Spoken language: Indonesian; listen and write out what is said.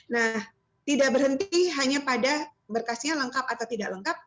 nah tidak berhenti hanya pada berkasnya lengkap atau tidak lengkap